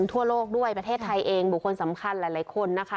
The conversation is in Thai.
ทั่วโลกด้วยประเทศไทยเองบุคคลสำคัญหลายคนนะคะ